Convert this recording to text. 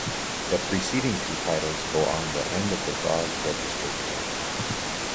The preceding two titles go on the end of the dog's registered name.